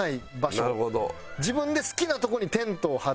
自分で好きなとこにテントを張って。